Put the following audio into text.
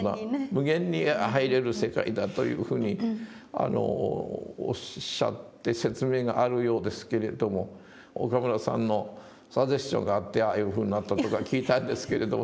無限に入れる世界だというふうにおっしゃって説明があるようですけれども岡村さんのサジェスチョンがあってああいうふうになったとか聞いたんですけれども。